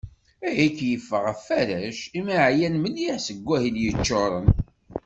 Ayagi yeffeɣ ɣef warrac, imi εyan mliḥ seg wahil yeččuṛen.